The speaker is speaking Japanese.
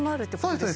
そうです